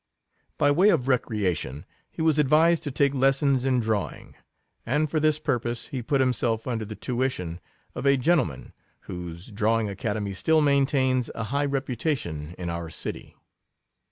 By way of recreation, he was advised to take lessons in drawing ; and for this purpose he put himself under the tuition of a gentleman, whose Drawing Academy still maintains a high reputation in our city.